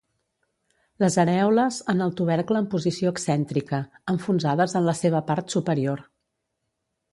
Les arèoles en el tubercle en posició excèntrica, enfonsades en la seva part superior.